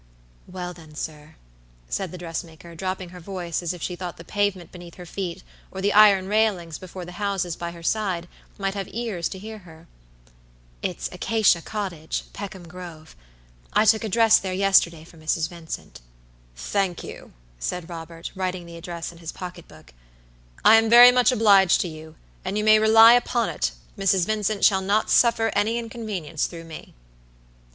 "Well, then sir," said the dressmaker, dropping her voice as if she thought the pavement beneath her feet, or the iron railings before the houses by her side, might have ears to hear her, "it's Acacia Cottage, Peckham Grove. I took a dress there yesterday for Mrs. Vincent." "Thank you," said Robert, writing the address in his pocketbook. "I am very much obliged to you, and you may rely upon it, Mrs. Vincent shall not suffer any inconvenience through me."